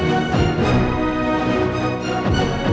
tidak mereka itu